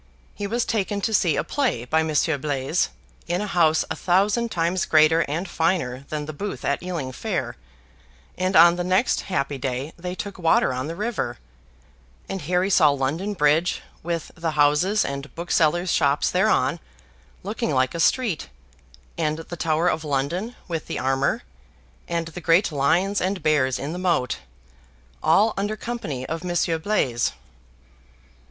He was taken to see a play by Monsieur Blaise, in a house a thousand times greater and finer than the booth at Ealing Fair and on the next happy day they took water on the river, and Harry saw London Bridge, with the houses and booksellers' shops thereon, looking like a street, and the Tower of London, with the Armor, and the great lions and bears in the moat all under company of Monsieur Blaise.